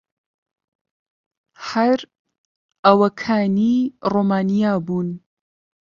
هەر ئەوەکانی ڕۆمانیا بوون.